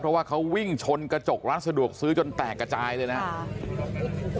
เพราะว่าเขาวิ่งชนกระจกร้านสะดวกซื้อจนแตกกระจายเลยนะครับ